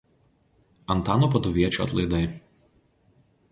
Antano Paduviečio atlaidai.